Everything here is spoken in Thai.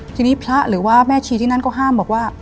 ทีนี้พระหรือว่าแม่ชีที่นั่นก็ห้ามบอกว่า